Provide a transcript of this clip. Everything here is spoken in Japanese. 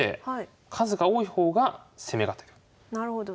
なるほど。